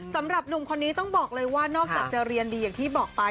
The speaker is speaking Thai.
สำหรับหนุ่มคนนี้ต้องบอกเลยว่านอกจากจะเรียนดีอย่างที่บอกไป